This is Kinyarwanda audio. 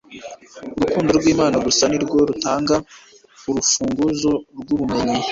urukundo rw'imana gusa ni rwo rutanga urufunguzo rw'ubumenyi